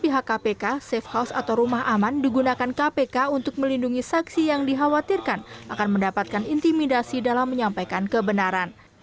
pihak kpk safe house atau rumah aman digunakan kpk untuk melindungi saksi yang dikhawatirkan akan mendapatkan intimidasi dalam menyampaikan kebenaran